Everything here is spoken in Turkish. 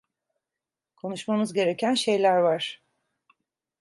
Konuşmamız gereken şeyler var.